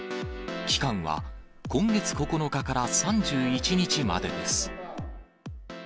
期間は今月９日から３１日までです。